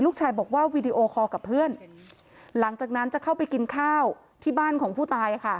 ลูกชายบอกว่าวีดีโอคอลกับเพื่อนหลังจากนั้นจะเข้าไปกินข้าวที่บ้านของผู้ตายค่ะ